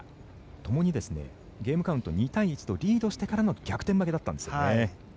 ともにゲームカウント２対１とリードしてからの逆転負けだったんですよね。